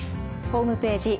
ホームページ